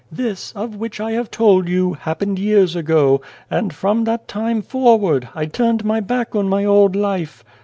" This, of which I have told you, happened years ago, and, from that time forward, I turned my back on my old life.